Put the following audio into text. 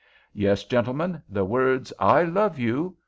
Yes, gentlemen, the words 'I love you!